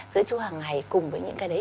sữa chua hàng ngày cùng với những cái đấy